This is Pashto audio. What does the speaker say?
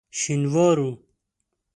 شینوارو.